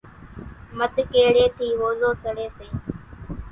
مڌ ڪيڙيئيَ ٿِي ۿوزو سڙيَ سي۔